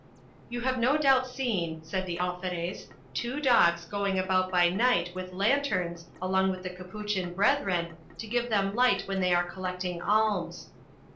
You have no doubt seen, said the Alferez, two dogs going about by night with lanterns along with the Capuchin brethren, to give them light when they are collecting alms.